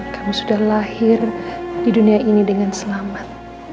kamu sudah lahir di dunia ini dengan selamat